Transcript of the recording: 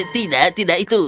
tidak tidak itu